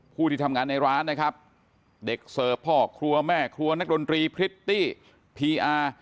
ที่ทำงานในร้านนะครับเด็กเสิร์ฟพ่อครัวแม่ครัวนักดนตรีพริตตี้พีอาร์